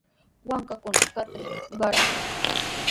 Waakakunata katrinta qarashun.